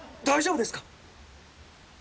大丈夫ですか？